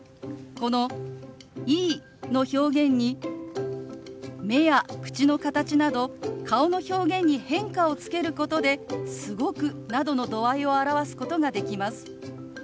この「いい」の表現に目や口の形など顔の表現に変化をつけることで「すごく」などの度合いを表すことができます。